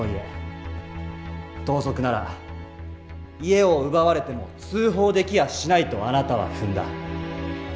盗賊なら家を奪われても通報できやしないとあなたは踏んだ。